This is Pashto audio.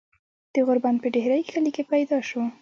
د غوربند پۀ ډهيرۍ کلي کښې پيدا شو ۔